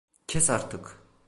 Kes artık.